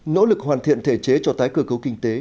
nỗ lực hoàn thiện thể chế cho tái cơ cấu kinh tế